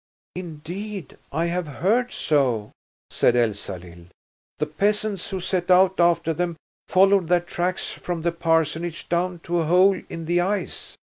"Indeed, I have heard so," said Elsalill. "The peasants who set out after them followed their tracks from the parsonage down to a hole in the ice.